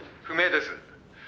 「不明です。